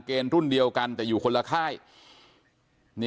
แม่โชคดีนะไม่ถึงตายนะ